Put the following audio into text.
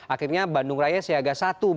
akhirnya bandung raya siaga satu